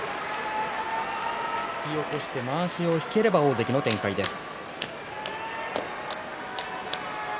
突き起こしてまわしを引ければ大関の展開です。